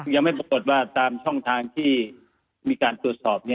ยังไม่ปรากฏว่าตามช่องทางที่มีการตรวจสอบ